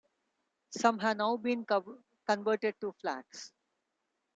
Some have now been converted to flats.